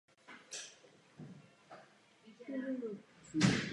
Jedná se o nejvýchodnější výběžek Alp.